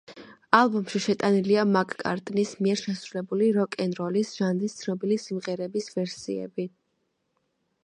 ალბომში შეტანილია მაკ-კარტნის მიერ შესრულებული როკ-ენ-როლის ჟანრის ცნობილი სიმღერების ვერსიები.